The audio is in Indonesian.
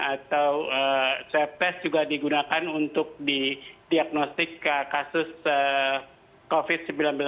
atau swab test juga digunakan untuk di diagnostik ke kasus covid sembilan belas